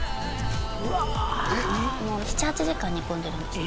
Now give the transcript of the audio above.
もう７８時間煮込んでるんですよ